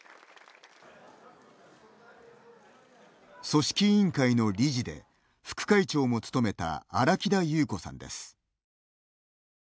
組織委員会の理事で副会長も務めた荒木田裕子さんです。